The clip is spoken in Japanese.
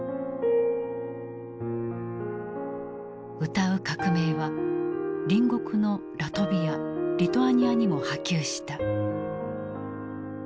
「歌う革命」は隣国のラトビアリトアニアにも波及した。